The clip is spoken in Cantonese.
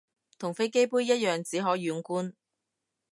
同飛機杯一樣只可遠觀